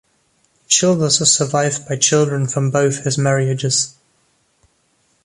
Childers is survived by children from both his marriages.